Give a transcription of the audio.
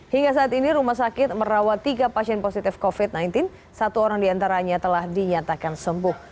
hingga saat ini rumah sakit merawat tiga pasien positif covid sembilan belas satu orang diantaranya telah dinyatakan sembuh